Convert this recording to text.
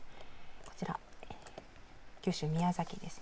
こちら九州宮崎です。